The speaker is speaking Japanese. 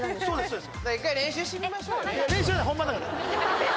そうです